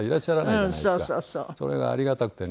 それがありがたくてね